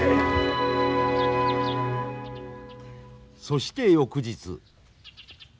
そして翌日。